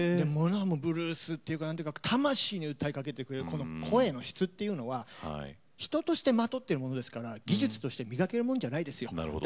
ブルースというか魂に訴えかけてくる声の質というのは人としてまとっているものですから技術として磨けるもんじゃないですよ。